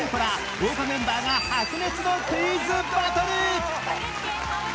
豪華メンバーが白熱のクイズバトル！